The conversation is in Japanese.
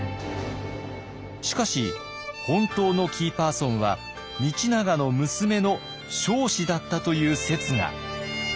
しかし本当のキーパーソンは道長の娘の彰子だったという説が。